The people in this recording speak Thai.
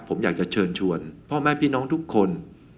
ผมอยากจะเชิญชวนพ่อแม่พี่น้องทุกคน